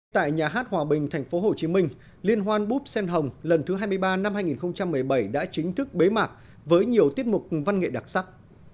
tại nhà hát hòa bình tp hcm liên hoan búp xen hồng lần thứ hai mươi ba năm hai nghìn một mươi bảy đã chính thức bế mạc với nhiều tiết mục văn nghệ đặc sắc